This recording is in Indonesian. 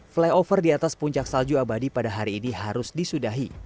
pemantauan yang terjadi di atas puncak salju abadi pada hari ini harus disudahi